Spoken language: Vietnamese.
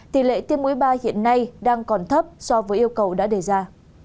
tỷ lệ tiêm mũi ba hiện nay đang còn thấp so với yêu cầu đã đề ra